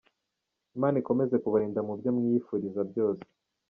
Imana ikomeze kubarinda mu byo mwiyifuriza byiza byose.